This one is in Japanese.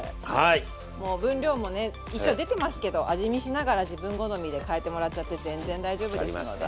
もう分量もね一応出てますけど味見しながら自分好みで変えてもらっちゃって全然大丈夫ですのではい。